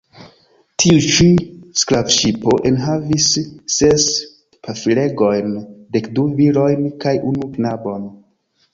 Tiu-ĉi sklavŝipo enhavis ses pafilegojn, dekdu virojn kaj unu knabon.